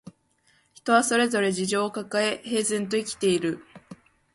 人はそれぞれ事情をかかえ、平然と生きている